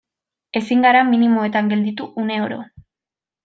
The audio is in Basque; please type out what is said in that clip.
Ezin gara minimoetan gelditu une oro.